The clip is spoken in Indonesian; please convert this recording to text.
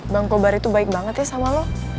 bang kobar itu baik banget ya sama lo